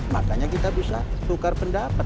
makanya kita bisa tukar pendapat